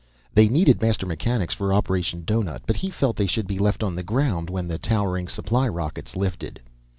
They needed master mechanics for Operation Doughnut, but he felt they should be left on the ground when the towering supply rockets lifted.